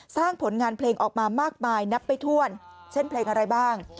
สร้างผลงานเพลงออกมามากมายนับไปถ้วนเช่นเพลงอะไรบ้าง